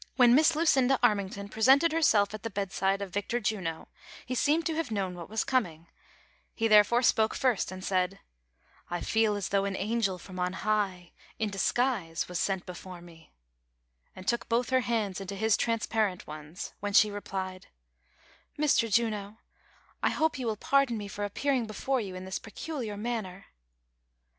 []IIE]Sr Miss Lucinda Armington presented herself at the bedside of Victor Juno, he seemed to have known what was coming, he therefore spoke first, and said :" I feel as though an angel from on high, in disguise, was before me," and took both her hands into his trans parent ones, when she replied : "Mr. Juno, I hope you will pardon me for appearing before you in this peculiar manner